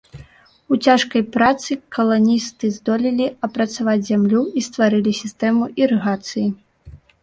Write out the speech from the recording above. У цяжкай працы каланісты здолелі апрацаваць зямлю і стварылі сістэму ірыгацыі.